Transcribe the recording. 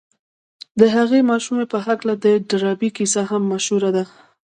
د هغې ماشومې په هکله د ډاربي کيسه هم مشهوره ده.